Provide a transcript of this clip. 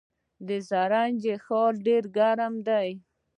د زرنج ښار ډیر ګرم دی